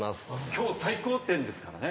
今日最高点ですからね。